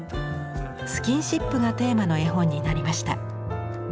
スキンシップがテーマの絵本になりました。